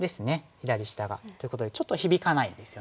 左下が。っていうことでちょっと響かないですよね。